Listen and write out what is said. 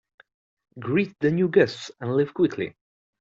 Greet the new guests and leave quickly.